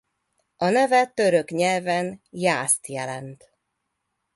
Neve török nyelven jászt jelent.